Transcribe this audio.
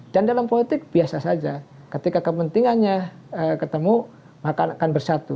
dalam politik biasa saja ketika kepentingannya ketemu maka akan bersatu